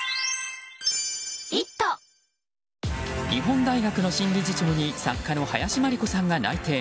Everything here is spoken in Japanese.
日本大学の新理事長に作家の林真理子さんが内定。